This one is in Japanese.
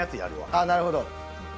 ああなるほど。